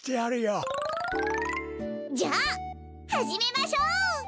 じゃあはじめましょう！